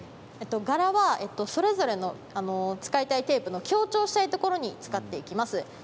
柄はそれぞれの使いたいテープの強調したいところに使っていきます。